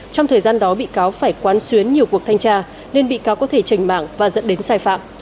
trong thời gian đó bị cáo phải quán xuyến nhiều cuộc thanh tra nên bị cáo có thể trành mạng và dẫn đến sai phạm